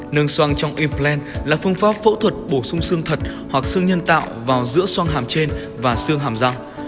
nâng xoang trong implant là phương pháp phẫu thuật bổ sung xương thật hoặc xương nhân tạo vào giữa xoang hàm trên và xương hàm răng